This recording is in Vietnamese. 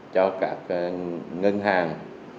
cho các ngân hàng